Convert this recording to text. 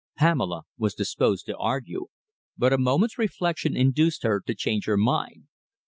Pamela was disposed to argue, but a moment's reflection induced her to change her mind.